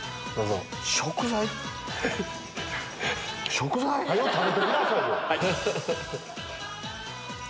食材⁉早う食べてくださいよ！